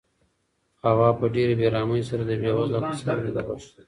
هوا په ډېرې بې رحمۍ سره د بې وزله کسانو ژوند ګواښلو.